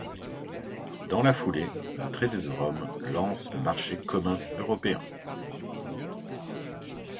Dans la foulée, le traité de Rome lance le marché commun européen.